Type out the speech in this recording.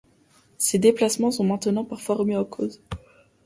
Ces déplacements sont maintenant parfois remis en cause.